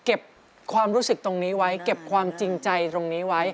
เก็บความรู้สึกตรงนี้ไว้เก็บความจริงใจตรงนี้ไว้